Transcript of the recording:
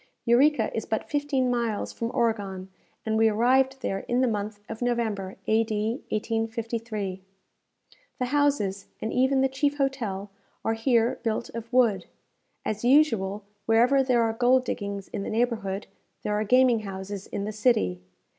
Eureka is but fifteen miles from Oregon, and we arrived there in the month of November, A.D. 1853. The houses, and even the chief hotel, are here built of wood. As usual, wherever there are gold diggings in the neighbourhood, there are gaming houses in the city.